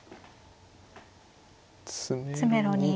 詰めろに。